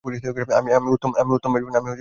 আমি উত্তম মেযবান?